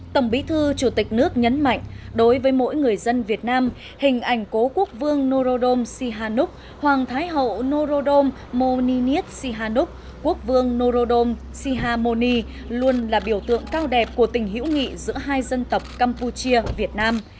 tổng bí thư chủ tịch nước nhấn mạnh đối với mỗi người dân việt nam hình ảnh cố quốc vương norodom sihanuk hoàng thái hậu norodom mominis sihanuk quốc vương norodom sihamoni luôn là biểu tượng cao đẹp của tình hữu nghị giữa hai dân tộc campuchia việt nam